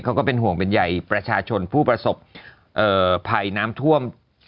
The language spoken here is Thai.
ก็เป็นห่วงเป็นใหญ่ประชาชนผู้ประสบภัยน้ำท่วม